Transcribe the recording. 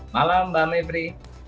malam mbak mibri